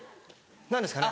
何ですかね？